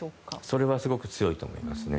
それはすごく強いと思いますね。